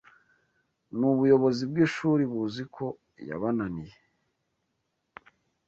n'ubuyobozi bw'ishuri buziko yabananiye